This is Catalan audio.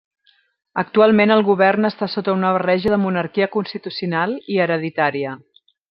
Actualment el govern està sota una barreja de monarquia constitucional i hereditària.